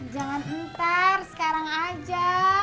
jangan ntar sekarang aja